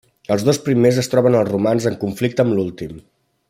Els dos primers es troben al romanç en conflicte amb l'últim.